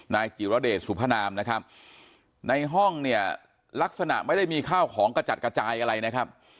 จิรเดชสุพนามนะครับในห้องเนี่ยลักษณะไม่ได้มีข้าวของกระจัดกระจายอะไรนะครับ